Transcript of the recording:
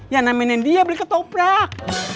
ya namenin dia beli ketoprak